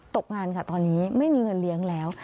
ตกงานค่ะตอนนี้ไม่มีเงินเลี้ยงแล้ว